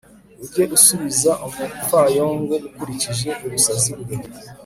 ujye usubiza umupfayongo ukurikije ubusazi bwe